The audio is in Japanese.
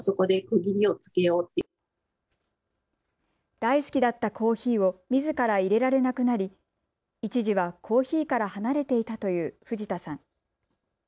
大好きだったコーヒーを、みずからいれられなくなり一時はコーヒーから離れていたという藤田さん。